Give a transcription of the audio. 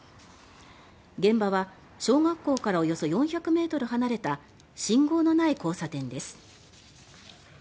現場は小学校までおよそ４００ｍ離れた信号のない交差点です。